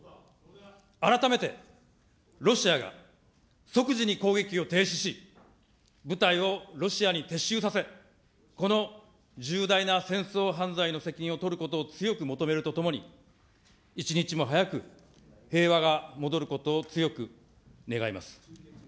改めてロシアが即時に攻撃を停止し、部隊をロシアに撤収させ、この重大な戦争犯罪の責任を取ることを強く求めるとともに、一日も早く、平和が戻ることを強く願います。